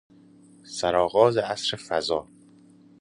سرآغاز عصر فضا